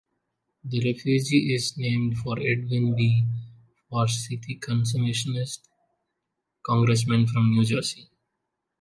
The refuge is named for Edwin B. Forsythe, conservationist Congressman from New Jersey.